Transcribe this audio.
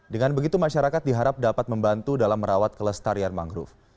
dengan begitu masyarakat diharap dapat membantu dalam merawat kelestarian mangrove